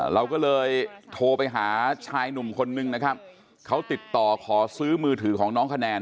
เราก็เลยโทรไปหาชายหนุ่มคนนึงนะครับเขาติดต่อขอซื้อมือถือของน้องคะแนน